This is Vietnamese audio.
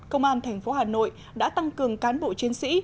công an thành phố hà nội đã tăng cường cán bộ chiến sĩ